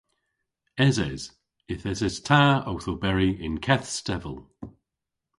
Eses. Yth eses ta owth oberi y'n keth stevel.